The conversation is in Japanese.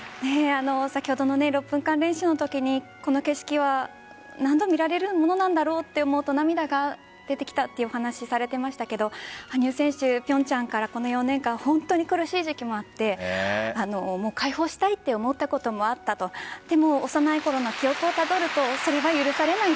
先ほどの６分間練習のときにこの景色は何度見られるものなんだろうと思うと涙が出てきたというお話されていましたが羽生選手、平昌からこの４年間本当に苦しい時期もあってもう解放したいと思ったこともあったとでも幼いころの記憶をたどるとそれは許されない。